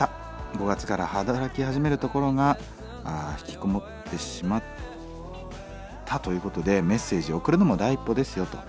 ５月から働き始めるところがひきこもってしまったということでメッセージを送るのも第一歩ですよ」と。